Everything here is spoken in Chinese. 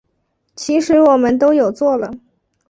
其实我们都有做了